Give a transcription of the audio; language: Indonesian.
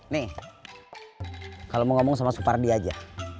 nih kalau mau ngomong sama supardi aja